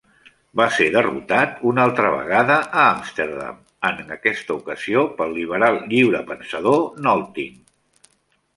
Va ser derrotat una altra vegada a Amsterdam, en aquesta ocasió pel liberal lliurepensador Nolting.